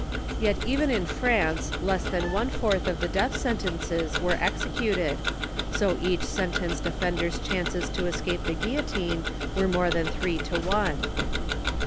Yet even in France less than one fourth of the death sentences were executed, so each sentenced offender's chances to escape the guillotine were more than three to one.